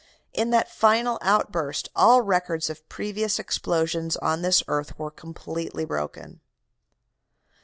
In that final outburst all records of previous explosions on this earth were completely broken.